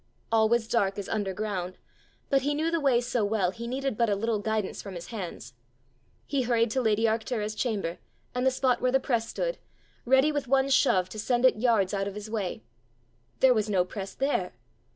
All was dark as underground, but he knew the way so well he needed but a little guidance from his hands. He hurried to lady Arctura's chamber, and the spot where the press stood, ready with one shove to send it yards out of his way. _There was no press there!